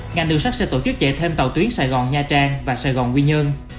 ngành đường sắt sẽ tổ chức chạy thêm tàu tuyến sài gòn nha trang và sài gòn quy nhơn